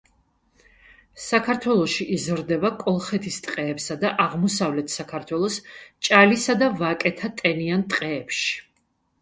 საქართველოში იზრდება კოლხეთის ტყეებსა და აღმოსავლეთ საქართველოს ჭალისა და ვაკეთა ტენიან ტყეებში.